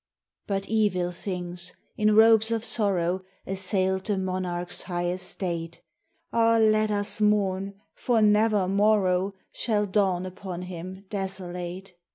But evil things, in robes of sorrow, Assailed the monarch's high estate ; (Ah, let us mourn, for never morrow Shall dawn upon him desolate